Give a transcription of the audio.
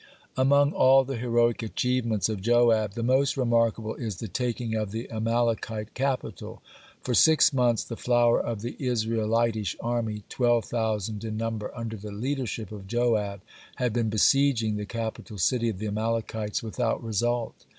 Among all the heroic achievements of Joab, the most remarkable is the taking of the Amalekite capital. For six months the flower of the Israelitish army, twelve thousand in number, under the leadership of Joab, had been besieging the capital city of the Amalekites without result.